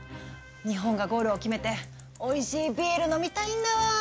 日本がゴールを決めておいしいビール飲みたいんだわ。